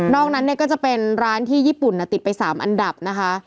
นั้นเนี่ยก็จะเป็นร้านที่ญี่ปุ่นติดไป๓อันดับนะคะ